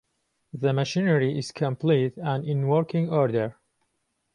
The machinery is complete and in working order.